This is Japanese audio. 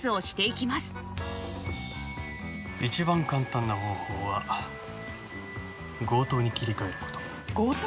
いちばん簡単な方法は強盗に切り替えること。